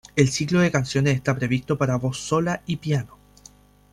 El ciclo de canciones está previsto para voz sola y piano.